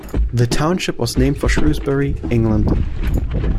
The township was named for Shrewsbury, England.